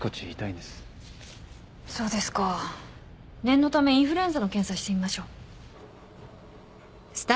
念のためインフルエンザの検査してみましょう。